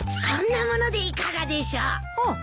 こんなものでいかがでしょう？